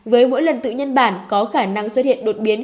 với mỗi lần tự nhân bản có khả năng xuất hiện đột biến